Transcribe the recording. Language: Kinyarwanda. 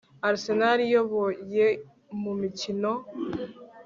Arsenal iyoboye mumikino